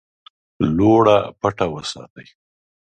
لوړه پټه وساتي.